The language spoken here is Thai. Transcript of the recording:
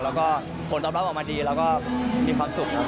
แล้วก็ผลตอบรับออกมาดีแล้วก็มีความสุขครับ